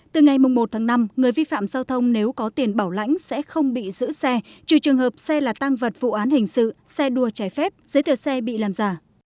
từ ngày một tháng năm người vi phạm giao thông nếu có tiền bảo lãnh sẽ không bị giữ xe trừ trường hợp xe là tăng vật vụ án hình sự xe đua trái phép giới thiệu xe bị làm giả